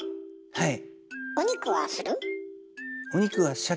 はい。